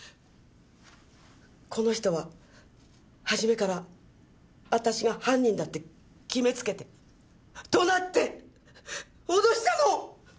この人は初めから私が犯人だって決めつけて怒鳴って脅したの！